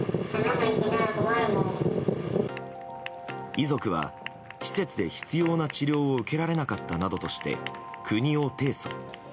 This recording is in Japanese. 遺族は施設で必要な治療を受けられなかったなどとして国を提訴。